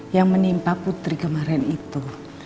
yang menimpa putri kemarin itu